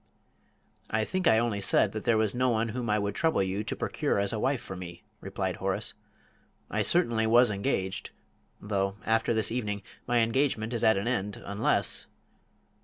"I think I only said that there was no one whom I would trouble you to procure as a wife for me," replied Horace; "I certainly was engaged though, after this evening, my engagement is at an end unless